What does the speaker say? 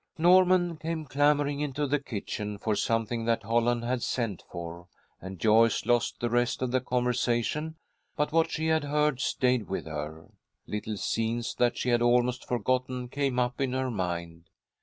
Norman came clamouring into the kitchen for something that Holland had sent for, and Joyce lost the rest of the conversation, but what she had heard stayed with her. Little scenes that she had almost forgotten came up in her mind.